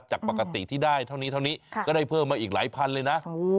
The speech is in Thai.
จากปกติที่ได้เท่านี้เท่านี้ก็ได้เพิ่มมาอีกหลายพันเลยนะ